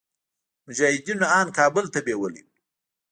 مجاهدينو ان کابل ته بيولي وو.